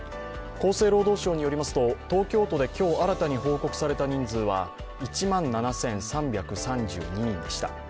厚生労働省によりますと、東京都で今日新たに報告された人数は１万７３３２人でした。